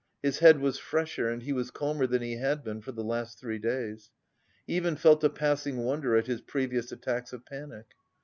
His head was fresher and he was calmer than he had been for the last three days. He even felt a passing wonder at his previous attacks of panic.